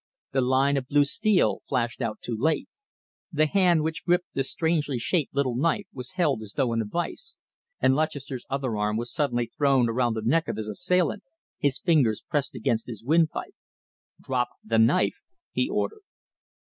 The line of blue steel flashed out too late. The hand which gripped the strangely shaped little knife was held as though in a vice, and Lutchester's other arm was suddenly thrown around the neck of his assailant, his fingers pressed against his windpipe. "Drop the knife," he ordered.